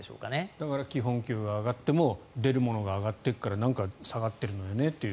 だから基本給が上がっても出るものが上がっているからなんか、下がっているのよねと。